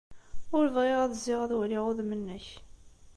Ur bɣiɣ ad zziɣ ad waliɣ udem-nnek.